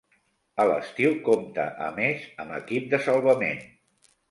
A l'estiu compta a més amb equip de salvament.